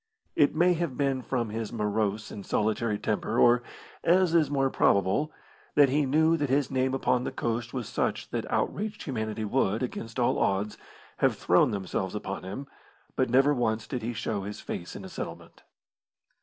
It may have been from his morose and solitary temper, or, as is more probable, that he knew that his name upon the coast was such that outraged humanity would, against all odds, have thrown themselves upon him, but never once did he show his face in a settlement.